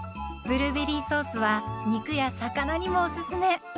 ブルーベリーソースは肉や魚にもおすすめ。